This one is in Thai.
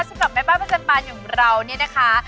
สำหรับแม่บ้านประจำบานอย่างเราเนี่ยนะคะ